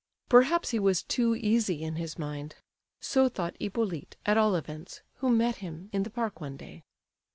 Perhaps he was too easy in his mind. So thought Hippolyte, at all events, who met him in the park one day.